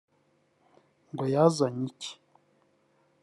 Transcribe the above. ngo yazanya iki